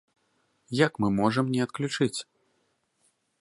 Як мы можам не адключыць?